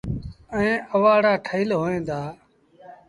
ائيٚݩ اَوآڙآ ٺهيٚل هوئيݩ دآ۔